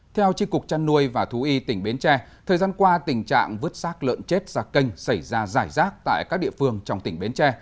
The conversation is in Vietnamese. theo tri cục trăn nuôi và thú y tỉnh bến tre thời gian qua tình trạng vứt sát lợn chết ra kênh xảy ra giải rác tại các địa phương trong tỉnh bến tre